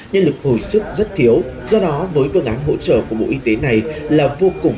nhân lực hồi sức rất thiếu do đó với phương án hỗ trợ của bộ y tế này là vô cùng